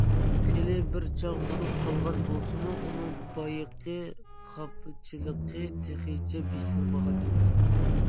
خېلى بىر چاغ بولۇپ قالغان بولسىمۇ، ئۇنىڭ بايىقى خاپىچىلىقى تېخىچە بېسىلمىغانىدى.